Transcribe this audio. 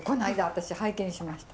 私拝見しました。